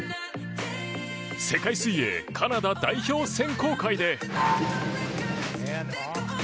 世界水泳カナダ代表選考会で。